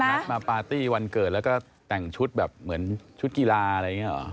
นัดมาปาร์ตี้วันเกิดแล้วก็แต่งชุดแบบเหมือนชุดกีฬาอะไรอย่างนี้หรอ